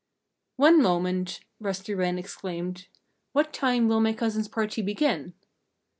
"One moment!" Rusty Wren exclaimed. "What time will my cousin's party begin?"